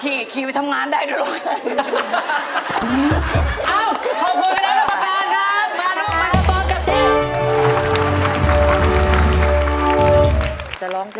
พี่นึกว่าหมาแมวเรากอดได้เนอะ